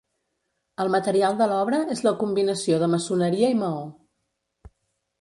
El material de l'obra és la combinació de maçoneria i maó.